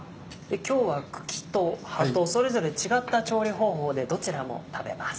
今日は茎と葉とそれぞれ違った調理方法でどちらも食べます。